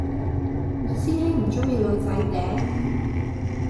師兄唔鍾意女仔嗲？